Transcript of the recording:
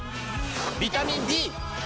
ビタミン Ｂ！